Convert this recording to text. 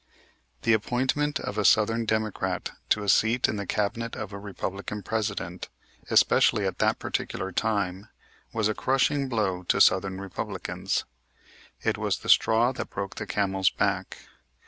The appointment of a southern Democrat to a seat in the Cabinet of a Republican President, especially at that particular time, was a crushing blow to southern Republicans. It was the straw that broke the camel's back.